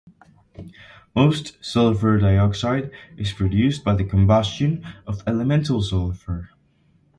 Most sulfur dioxide is produced by the combustion of elemental sulfur.